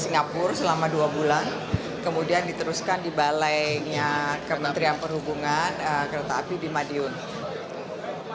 singapura selama dua bulan kemudian diteruskan di balainya kementerian perhubungan kereta api di madiun